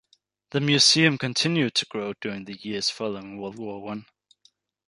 The museum continued to grow during the years following World War One.